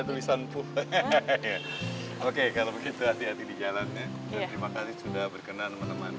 tulisan pulang oke kalau begitu hati hati di jalannya terima kasih sudah berkenan